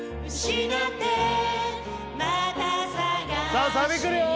さあサビくるよ！